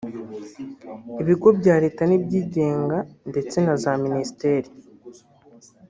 ibigo bya Leta n’ibyigenga ndetse na za Minisiteri